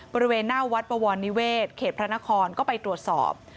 บริเวณหน้าวัดปวรนิเวศเขตพระนครก็ไปตรวจสอบ